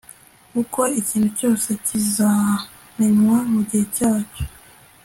kuko ikintu cyose kizamenywa mu gihe cyacyo